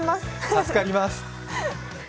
助かります。